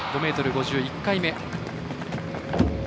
５ｍ５０、１回目。